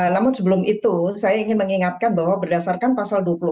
namun sebelum itu saya ingin mengingatkan bahwa berdasarkan pasal dua puluh empat